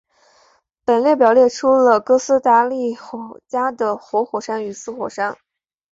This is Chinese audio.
本列表列出了哥斯达黎加的活火山与死火山。